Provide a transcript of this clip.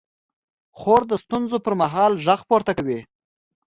خور د ستونزو پر مهال غږ پورته کوي.